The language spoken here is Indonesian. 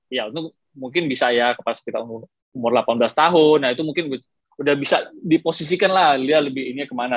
ya mungkin bisa ya umur delapan belas tahun nah itu mungkin udah bisa diposisikan lah dia lebih ini kemana